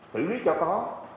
xử lý cho có